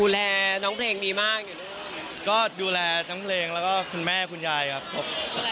แล้วก็คุณแม่คุณยายครับครับ